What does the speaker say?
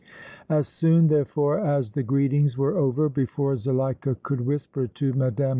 As soon, therefore, as the greetings were over, before Zuleika could whisper to Mme.